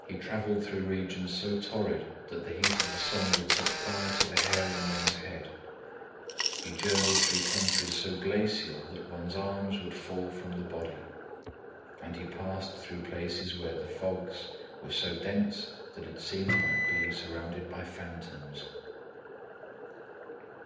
He travelled through regions so torrid that the heat of the sun would set fire to the hair on one's head; he journeyed through countries so glacial that one's arms would fall from the body; and he passed through places where the fogs were so dense that it seemed like being surrounded by phantoms.